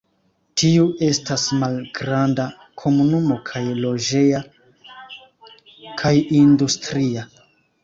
Tiu estas malgranda komunumo kaj loĝeja kaj industria.